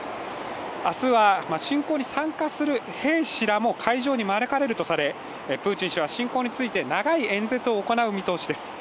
明日は侵攻に参加する兵士らも会場に招かれるとされ、プーチン氏は侵攻について長い演説を行う見通しです。